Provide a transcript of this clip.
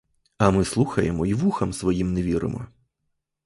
А ми слухаємо й вухам своїм не віримо.